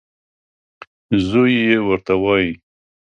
زوی یې ورته وايي .